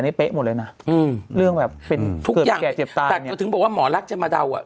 เป๊ะหมดเลยน่ะอืมเรื่องแบบเป็นทุกอย่างเจ็บตาแต่ก็ถึงบอกว่าหมอลักษณ์จะมาเดาอ่ะ